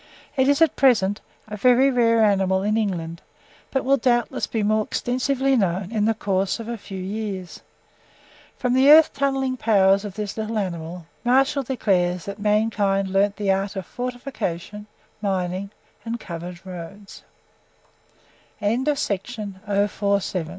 It is, at present, a very rare animal in England, but will, doubtless, be more extensively known in the course of a few years. From the earth tunnelling powers of this little animal, Martial declares that mankind learned the art of fortification, minin